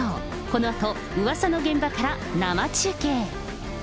このあと、うわさの現場から生中継。